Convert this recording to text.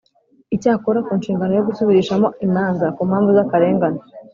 icyakora, ku nshingano yo gusubirishamo imanza ku mpamvu z’akarengane,